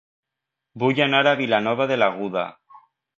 Vull anar a Vilanova de l'Aguda